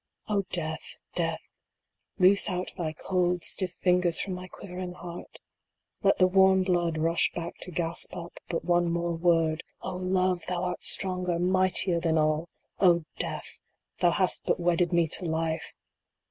O Death ! Death ! loose out thy cold, stiff fingers from my quivering heart ! Let the warm blood rush back to gasp up but one more word ! O Love ! thou art stronger, mightier than all ! O Death ! thou hast but wedded me to Life